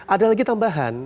ada lagi tambahan